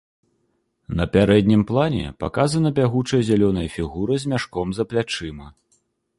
На пярэднім плане паказана бягучая зялёная фігура з мяшком за плячыма.